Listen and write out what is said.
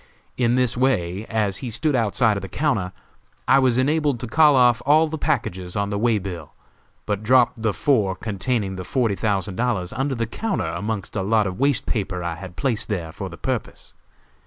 In this way, as he stood outside of the counter, I was enabled to call off all the packages on the way bill, but dropped the four containing the forty thousand dollars under the counter amongst a lot of waste paper I had placed there for the purpose.